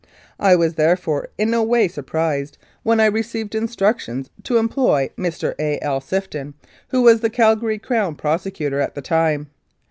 I was therefore in no way surprised when I received instructions to em ploy Mr. A. L. Sifton, who was the Calgary Crown Prosecutor at the time.